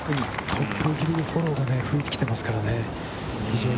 トップ目にフォローが吹いてきていますからね。